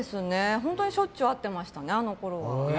本当にしょっちゅう会ってましたね、あのころは。